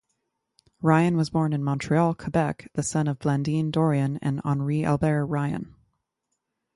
Ryan was born in Montreal, Quebec, the son of Blandine Dorion and Henri-Albert Ryan.